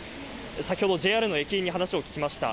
先ほどＪＲの駅員に話を聞きました。